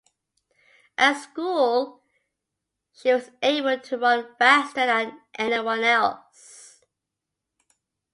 At school, she was able to run faster than anyone else.